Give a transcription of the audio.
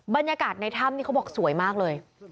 บรรยากาศในถ้ำนี่เขาบอกสวยมากเลย